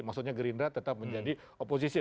maksudnya gerindra tetap menjadi oposisi